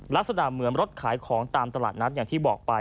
ลักษณะเหมือนรถขายของตามตลาดนัดอย่างที่บอกไป